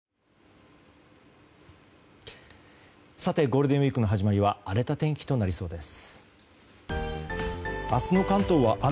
ゴールデンウィークの始まりは荒れた天気となりそうです。